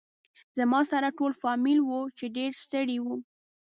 زما سره ټول فامیل و چې ډېر ستړي و.